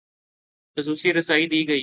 خصوصی رسائی دی گئی